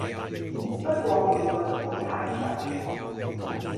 不過每句唔好太長